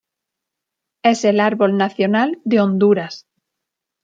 Es el árbol nacional de Honduras.